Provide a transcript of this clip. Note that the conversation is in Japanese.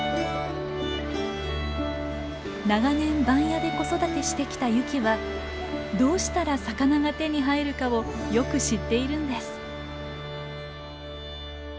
長年番屋で子育てしてきたユキはどうしたら魚が手に入るかをよく知っているんです。